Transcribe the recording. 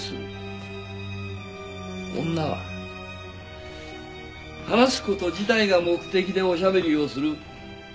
女は話す事自体が目的でおしゃべりをする。